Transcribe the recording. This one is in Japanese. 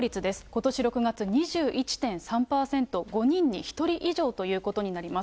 ことし６月、２１．３％、５人に１人以上ということになります。